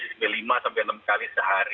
jadi kita bisa mandi lima enam kali sehari